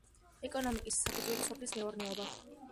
ეკონომიკის საფუძველია სოფლის მეურნეობა.